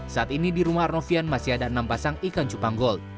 saat ini di rumah arnovian masih ada enam pasang ikan cupang gold